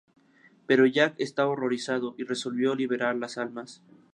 Pero Jack estaba horrorizado y resolvió liberar las almas.